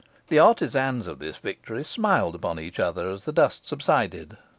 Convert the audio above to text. The artisans of this victory smiled upon each other as the dust subsided.